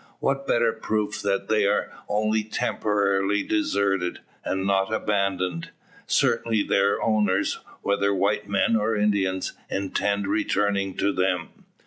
What better proof that they are only temporarily deserted, and not abandoned? Certainly their owners, whether white men or Indians, intend returning to them.